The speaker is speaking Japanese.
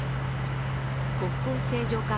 国交正常化